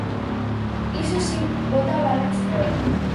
Iso si, bota balóns fóra.